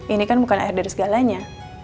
ini kan bukan air dari segalanya